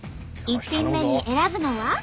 １品目に選ぶのは？